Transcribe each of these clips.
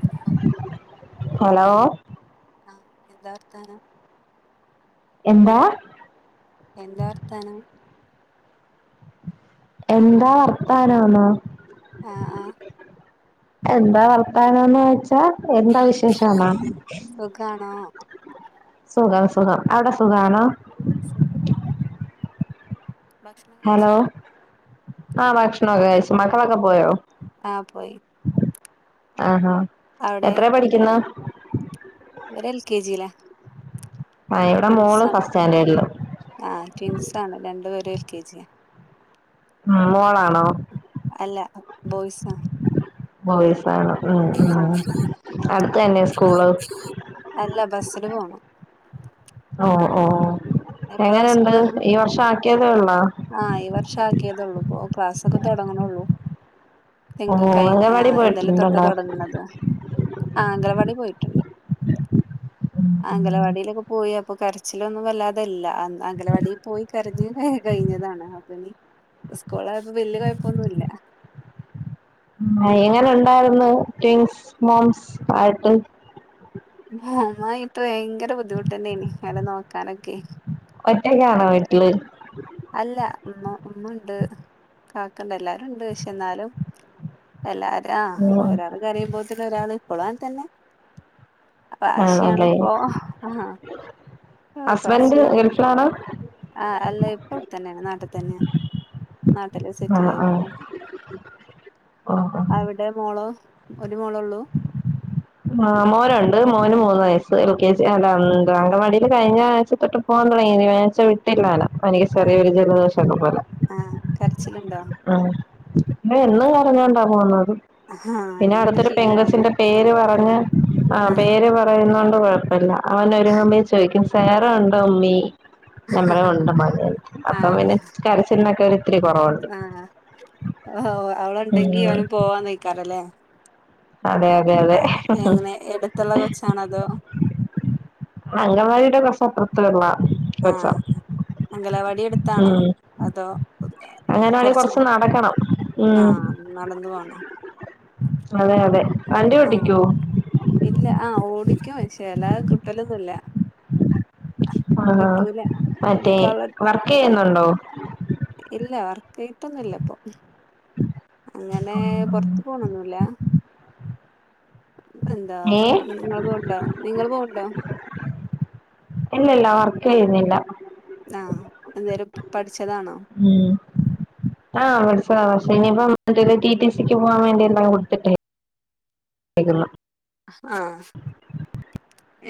Hello hello ആഹ് എന്താ വർത്താനം എന്താ എന്താ വർത്താനം എന്താ വർത്താനംന്നോ ആഹ് ആഹ് എന്താ വർത്തനംന്ന് ചോയ്ച്ചാ എന്താ വിശേഷമെന്നോ സുഖാണോ സുഖം സുഖം അവിടെ സുഖമാണോ? സുഖം ഭക്ഷണം ഹലോ കഴിച്ചോ ആഹ് ഭക്ഷണൊക്കെ കയ്ച്ചു മക്കളൊക്കെ പോയോ ആഹ് പോയി ആഹാ അവിടെ എത്രയാ പഠിക്കുന്ന ഇവര് എൽ കെ ജി ലാ ആഹ് ഇവ്ടെ മോൾ ഫസ്റ്റ് സ്റ്റാൻഡേർഡിൽ ആഹ് ട്വിൻസ് ആണ് രണ്ടുപേരും എൽ കെ ജിയ ഉം മോളാണോ അല്ല ബോയ്സ് ആണ് ബോയ്സ് ആണോ ഉം ഉം ആഹ് അടുത്ത് തന്നെ സ്കൂള് അല്ല ബസില് പോണം ഉം ഉം എപ്പളാ എങ്ങനെണ്ട്? സ്കൂള് ഈ വർഷാ ക്കിയതേ ള്ളൊ? ആഹ് ഈ വർഷാക്കിയതെള്ളൂ. പ്പോ ക്ലാസ്സൊക്കെ തുടങ്ങ്ണെ ള്ളൂ. എന്താ ഓഹ് കഴിഞ്ഞ അംഗൻവാടി ആഹ് ഇന്നലെ തൊട്ട പോയിട്ടുണ്ടോ തുടങ്ങണത്. ആഹ് അംഗലവാടി പോയിട്ടുണ്ട്. അംഗലവാടിയിലൊക്കെ പോയി അപ്പൊ കരച്ചിലൊന്നും വല്ലാതല്ല. അംഗലവാടിയിൽ പോയി കരഞ് കഴിഞ്ഞതാണ്. അപ്പൊ ഞ്ഞി സ്കൂളായപ്പോ വല്യ കുഴപ്പൊന്നുല്ല. ആഹ് എങ്ങനെ ഉണ്ടായിരുന്നു ട്വിൻസ് മോംസ് ആയിട്ട്. ആഹ് മ്മായിട്ട് ഭയങ്കര ബുദ്ധിമുട്ടന്നെ നി. അയ്നെ നോക്കാനൊക്കെ. ഒറ്റക്കാണോ ഭയങ്കര വീട്ടില് അല്ല മ്മ ഉമ്മ ണ്ട്. കാക്കണ്ട് എല്ലാരും ണ്ട്. പക്ഷെ ന്നാലും. എല്ലാരാ ആഹ് ഉം ഒരാള് കരേയുംപൊത്തിനും ഒരാള് ഇപ്പോളും അങ്ങൻ തന്നെ. വാശിയാണ് ആണല്ലേ ഇപ്പൊ ആഹ് ഹസ്ബൻഡ് കൊറച്ച് ഗൾഫിലാണോ ആഹ് അല്ല ഇപ്പൊ വ്ടെത്തന്നെ. നാട്ടി തന്നെ. നാട്ടില് സെറ്റിലായി പ്പോ ഉം ഉം അവിടെ മോളോ, ഒരു മോളോ ള്ളൂ? ആഹ് മോനുണ്ട്. മോന് മൂന്ന് വയസ്സ്. എൽ കെ ജി അഹ് ഉം അംഗനവാടീല് കഴിഞ്ഞ ആഴ്ച തൊട്ട് പോകാൻ തുടങ്ങി. ഈ ആഴ്ച വിട്ടില്ല ലൊ. പനിയും ആഹ് ചെറിയൊരു ജലദോശം ക്കെ പോലെ ആഹ് കരച്ചിലുണ്ടോ? ആഹ് എന്നും കരഞ്ഞോണ്ടാ പോന്നത്. ആഹ് പിന്നെ ഇനിയാണ് അടുത്തൊരു ശീലാവണെ പെൻകൊച്ചിന്റെ പേര് പറഞ്ഞ് അഹ് ആഹ് പേര് പറഞ്ഞ് വരുന്നോണ്ട് കൊഴപ്പല്ല. അവനൊരുങ്ങുംപോത്തിനും ചോയിക്കും സേറ ണ്ടോ ഉമ്മീ? നമ്മൾ മണ്ടൻ മാരായി. അപ്പൊ പിന്നെ ആഹ് കരച്ചിൽനൊക്കെ ഒരു ഇത്തിരി കുറവുണ്ട്. ആഹ് ഓഹ് അവളൊണ്ടെങ്കി ഉം അവനും പോവാ ന്നൈക്കാണല്ലേ. അതെ അതെ അതെ. എങ്ങനെ എടുത്തുള്ള കൊച്ചാണോ അതോ അങ്കൻവാടിയുടെ കൊറച്ചപ്പറത്തുള്ള കൊച്ച. അങ്കലവാടി അടുത്താണോ? അതോ അംഗൻവാടി കൊറച്ച് നടക്കണം ഉം ആഹ്. നടന്ന് പോണം. അതെ അതെ. വണ്ടി ഓട്ടിക്കോ? ആഹ് ഇല്ല. ആഹ് ഓടിക്കും. ശെ ല്ലാതെ കിട്ടലൊന്നുല്ല. ആഹാ കിട്ടൂല. മറ്റേ ഒടുക്കാ ള്ളെ വർക്ക് ചെയ്യുന്നുണ്ടോ ഇല്ല വർക്കയിട്ടൊന്നു ല്ല പ്പൊ. ങ്ങനെ ആഹ് പൊറത്ത് പോണൊന്നുല്ല. എന്താ ഏഹ് നിങ്ങൾ പോണ്ടൊ? നിങ്ങൾ പോവുണ്ടോ? ഇല്ലില്ല. വർക്കയ്യുന്നില്ല. ആഹ് എന്തേലും പഠിച്ചതാണോ? ഉം ആഹ് പഠിച്ചതാ. പക്ഷെ ഇനിപ്പം തിന് ടി ടി സിക്ക് പോവാൻ വേണ്ടി ണ്ടാവു തെക്കേ ട്ടേക്കുന്ന്. ആഹ്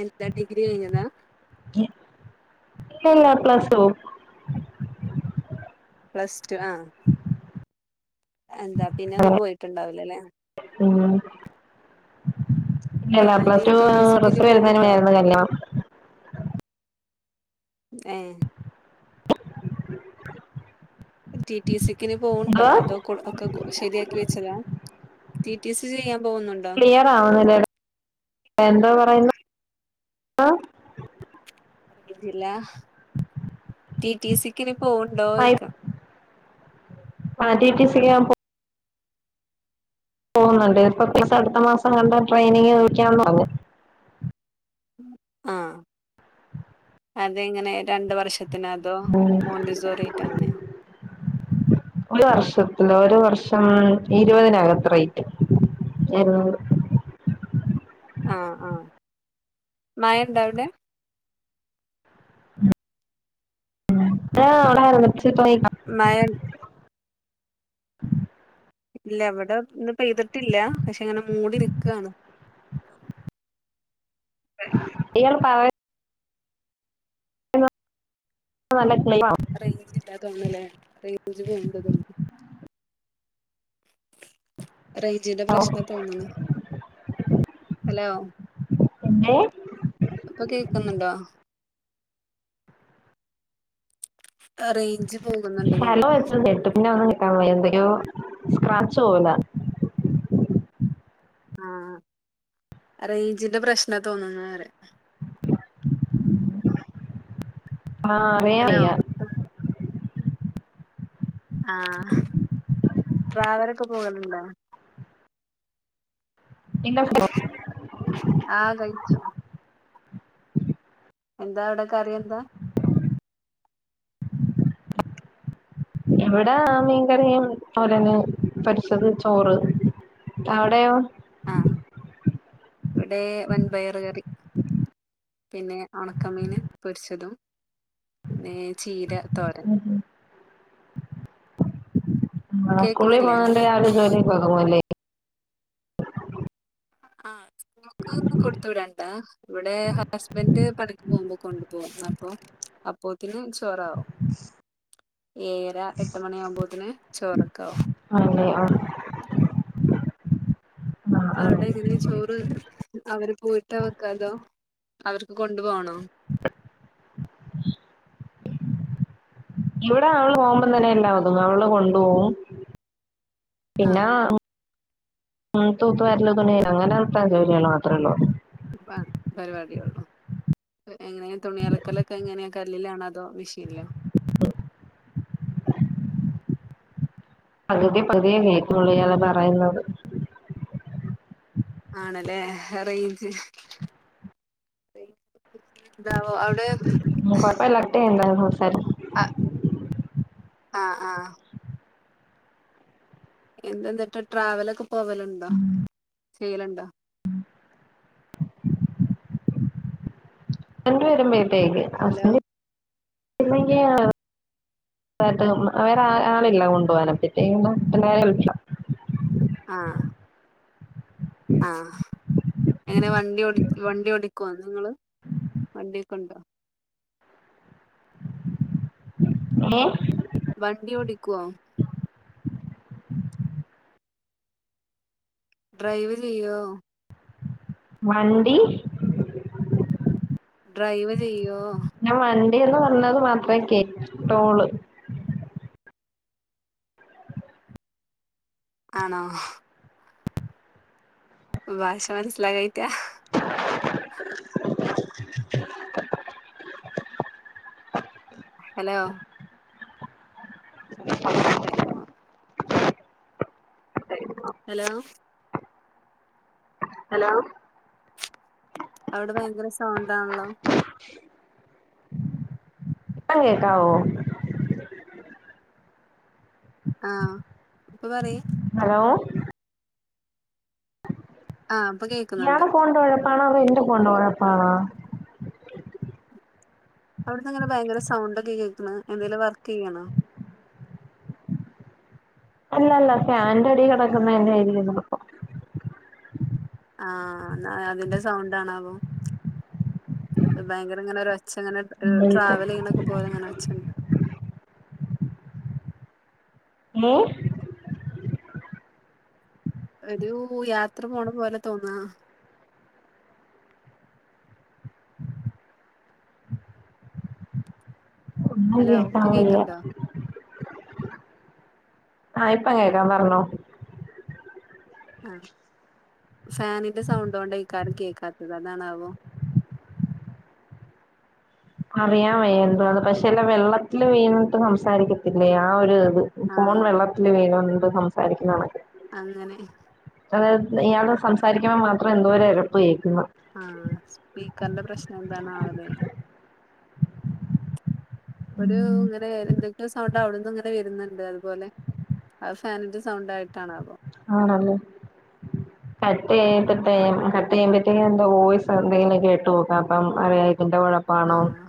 എന്താ ഡിഗ്രി കഴിഞ്ഞതാ? ഉം ഇല്ലില്ല. Plus plus two. ആഹ് എന്താ പിന്നെ ഒന്ന് അങ്ങനെ പോയിട്ടുണ്ടാവില്ല ലെ. ഉം ഇല്ലല്ല ആഹ് ഇനി പ്ലസ് ടു ടി ടിസിക്ക് ഇനി റിസൾട്ട് വരുന്നതിന് പോവുണ്ടോ? മുന്നെയായിരുന്നു കല്യാണം ഏഹ് ടി ടി സിക്കിനി പോവുണ്ടോ എന്തുവാ അതോ [unintelligible] ക്ക് കൊ ശരിയാക്കി വെച്ചതാ ടി ടി സി ചെയ്യാൻ പോവുന്നുണ്ടോ ക്ലിയർ ആവുന്നില്ലെടാ എന്തോ പറയുന്നു റേയിഞ്ചില്ലാ ടി ടി സിക്കിനി പോവ് മഴ ആഹ് ടി ടി സിക്ക് ഞാന് പോവ് പോവ്ന്നൊണ്ട് അപ്പൊ പത്തിസം അടുത്ത മാസം എങ്ങാണ്ട് ട്രെയിനിങ് വിളിക്കാന്ന് പറഞ്ഞ് ഉം ആഹ് അതെങ്ങനെ രണ്ട് വർഷത്തിന അതോ ഉം മോണ്ടിസോറിയയ്ട്ട് അങ്ങനെയോ ഒരു വർഷത്തില് ഒരു വർഷം ഇരുപതിനയിരത്രേയ് എഴ്ന്നൂറ് ആഹ് ആഹ് മഴണ്ടോ അവ്ടെ ആഹ് ഇവടെ ഓലർച്ചെ ഇപ്പ വെയിലാ മഴണ്ടോ ഇല്ല ഇവിടെ ഇന്ന് പെയ്തിട്ടില്ല പക്ഷെ ഇങ്ങനെ മൂടി നിക്കാണ് ഇയാള് പറയ് പറയുന്ന നല്ല ക്ലിയറല്ല - റേഞ്ച് ഇല്ലാ തോന്ന്ന്നല്ലേ റേഞ്ച് പോവ്ണ്ട് തോന്നുന്നു റേഞ്ചിന്റെ ആണോ പ്രശ്നാ തോന്ന്ണു ഹലോ പിന്നേ ഇപ്പ കേക്കുന്നുണ്ടോ ആഹ് റേഞ്ച് പോകുന്നുണ്ട് ഹലോ തോന്ന്ണ് ചോയ്ച്ച് കേട്ട് പിന്നെ ഒന്നും കേക്കാൻ വയ്യ എന്തൊക്കെയോ സ്ക്രാച്ച് പോല ആഹ് റേഞ്ചിന്റെ പ്രശ്നാ തോന്നുന്നുറയ ആഹ് അറിയാൻ ഹലോ വെയ്യ ആഹ് ട്രാവലൊക്കെ പോകല്ണ്ടോ പിന്നെ [unintelligible] ആഹ് കയിച്ചു. എന്താ അവ്ടെ കറി എന്താ ഇവിടെ മീൻകറിയും തോരനും പൊരിച്ചത് ചോറ് അവിടെയോ ആഹ് ഇവ്ടെ വൻപയർ കറി പിന്നെ ഒണക്കമീന് പൊരിച്ചതും പിന്നെ ചീര തോരൻ. ആഹ് സ്കൂളിൽ കേക്കുന്നില്ലേ പോകുന്നോണ്ട് രാവിലെ ജോലിയൊക്കെ ഒതുങ്ങുല്ലേ. ആഹ് സ്കൂൾക്ക് ഒന്നും കൊടുത്ത് വിടണ്ട ഇവിടെ ഹസ്ബന്റ് പണിക്ക് പോകുമ്പോ കൊണ്ടു പോകും അപ്പൊ അപ്പോത്തിനും ചോറാവും. ഏഴര എട്ട് മണിയാകുമ്പോത്തിന് ചോറക്കോ ആവും ആണല്ലേ ആഹ്. ആഹ് ആഹ് അവടെ എങ്ങനെ ചോറ് അവര് പോയിട്ട വെക്കാ അതോ അവർക്ക് കൊണ്ടു പോണോ? ഇവടെ അവള് പോവുമ്പം തന്നെ എല്ലാ ഒതുങ്ങും അവള് കൊണ്ടു പോവും ആ പിന്നാ ഉം തൂത്തുവാരല് തുണിയല്ക്ക അങ്ങനെത്ത ജോലികള് മാത്രേള്ളൂ. പ പരിപാടി ഒള്ളൂ. എങ്ങനെ തുണി അലക്കലൊക്കെ എങ്ങനെയാ കല്ലിലാണോ അതോ മിഷീനിലോ. പകുതി പകുതിയേ കേൾക്കൊണൊള്ളൂ ഇയാള് പറയുന്നത്. ആണല്ലേ റൈഞ്ച് എന്താ വോ അവടെ ഉം കൊഴപ്പല്ലാട്ടെ എന്താ ഹോസ്റ്റല് [unintelligible] ആഹ ആഹ് ആഹ് എന്താ ന്ന്ട്ട് ട്രാവലൊക്കെ പോവലുണ്ടോ ചെയ്യലുണ്ടോ എൻറെയൊരു മെയിൻ ബാഗ് ഹലോ ഹസ്ബൻഡ് [unintelligible] [unintelligible] ആഹ് ആഹ് എങ്ങനെ വണ്ടി വണ്ടി ഓടിക്കുമോ നിങ്ങള് വണ്ടിക്കെ ഉണ്ടോ ഏഹ വണ്ടി ഓടിക്കോ? ഡ്രൈവ് ചെയ്വോ വണ്ടി. ഡ്രൈവ് ചെയ്യോ ഞാ വണ്ടീന്ന് പറഞ്ഞത് മാത്രേ കേട്ടോള്ള് ആണോ ഭാഷ മനസിലാവാഞ്ഞിട്ടാ ഹലോ ടൈമാ ഹലോ ഹലോ അവിടെ ഭയങ്കര സൗണ്ടാണല്ലോ ഇപ്പം കേക്കാവോ ആ ഹ ഇപ്പൊ പറ ഹലോ ആഹ ഇപ്പ കേ ഇയ്യാളെ ഫോണിൻ്റെ കൊഴപ്പാണോ അതേ എന്റെ ഫോണിൻ്റെ കൊഴപ്പണോ അവിടുന്നിങ്ങനെ ഭയങ്കര സൗണ്ടൊക്കെ കേക്ക്ണ് എന്തേലും വർക്കെയ്യാണോ അല്ലല്ല ഫാൻറടി കിടക്കുന്നതിന്റെ കിടക്കുന്നതിൻ്റെ ആയിരിക്കും ചിലപ്പോ ആഹാ എന്ന അതിന്റെ സൗണ്ട്ആണാവോ ഭയങ്കര ഇങ്ങനെയെരു ഒ ച്ച ഇങ്ങനെ ട് സംഭവിക്കാം. ട്രാവല് ചെയ്യണക്ക് പോലെ അങ്ങനെച്ചണ്ട് ഏഹ ഒരു യാത്ര പോണ പോലെ തോന്നാ ഒന്നും ഹലോ കേകാൻ ഇപ്പൊ വയ്യ കേക്ക്ണ്ടോ ആഹാ ഇപ്പം കേൾക്കാം പറഞ്ഞോ ആഹ ഫാനിന്റെ സൗണ്ട് കൊണ്ട് യ്ക്കാരം കേൾക്കാത്തത് അതാണാവോ അറിയാൻവയ്യഎന്തുവാന്ന് പക്ഷെ എല്ലാ വെള്ളത്തില് വീണിട്ട് സംസാരിക്കത്തില്ലേ ആ ഒരു ഇത് ഫോൺ ആഹ് വെള്ളത്തില് വീണോണ്ട് സംസാരിക്കുന്ന കണക്ക് അങ്ങനെ അതത് ഇയാളോട് സംസാരിക്കുമ്പോൾമാത്രം എന്തോരു എരപ്പ് കേക്കുന്നു ആഹ് സ്പീക്കറിന്റെ പ്രശ്നം എന്താണ് ആവലെ ഒരു ഇങ്ങനെ എന്തൊക്കെ സൗണ്ട് അവിടന്ന് ഇങ്ങനെ വരുന്നുണ്ട് അതുപോലെ അത് ഫാനിന്റെ സൗണ്ട് ആയിട്ടാണവോ ആണല്ലേ കട്ട് ചെയ്തിട്ടേ കട്ട് ചെയ്യുമ്പഴത്തേക്കും എന്തോ വോയ്സ് എന്തെങ്കിലും കേട്ട് നോക്ക്‌ അപ്പം അറിയായിരിക്കും എന്താ കൊഴപ്പം ആഹ്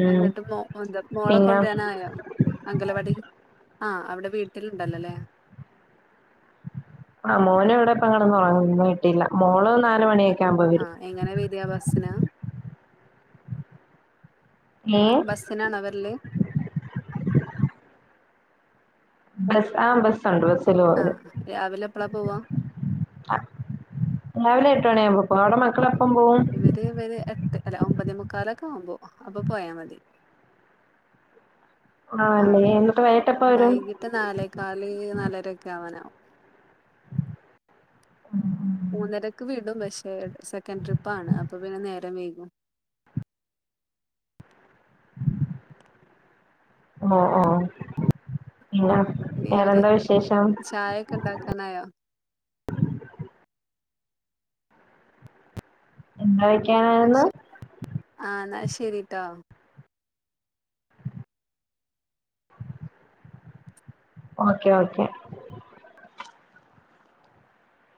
ഉം എന്നിട്ട് മോ എന്താ മോളെ പിന്നെ കൊണ്ടുവരാനായോ അംഗലവാടി ആഹ് അവിടെ വീട്ടിലുണ്ടല്ലോ അല്ലേ ആ മോനും ഇവിടെ ഇപ്പ കെടന്ന് ഒറങ്ങന്നുന്നു ഇന്ന് വിട്ടില്ല മോള് നാല് മണിയൊക്കെ ആവുമ്പ വരും ആഹ് എങ്ങനെ വരിക ബസ്സിനാ [inaudible] ബസ്സിനാണൊ വരല് ബസ് ആഹ് ബസുണ്ട് ബസ് ആഹാ രാവിലെ എപ്പളാ പോവാ ആഹ് മോള് എട്ട്മണിയാകുമ്പോ പോകും അവിടെ മക്കള് എപ്പം പോവും ഇവര് ഇവര് എട്ട് അല്ല ഒമ്പതേ മുക്കാല് ഒക്കെ ആവുമ്പോ അപ്പൊ പോയാ മതി ആഹ് അല്ലേ എന്നിട്ട് വൈകിട്ട് എപ്പം വരും ട്ട് നാലേ കാല് നാലര ഒക്കെ ആവാനാവും ഉം മൂന്നരക്ക് വീടും പക്ഷെ രണ്ട് സെക്കൻഡ് ട്രിപ്പ് ആണ് അപ്പൊ പിന്നെ നേരം വൈകും ആഹ് ആഹ് ആഹ് ഇനി അവരെ വിശേഷം ചായയൊക്കെ ഇണ്ടാക്കാനായോ എന്തായി എന്നാ ശരി ആഹ് എന്നാ ശരി ട്ടോ ഓക്കെ ഓക്കെ